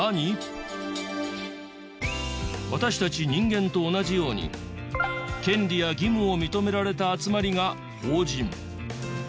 私たち人間と同じように権利や義務を認められた集まりが法人。